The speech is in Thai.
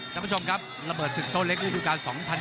ท่านผู้ชมครับระเบิดศึกโต้เล็กฤดูการ๒๐๑๘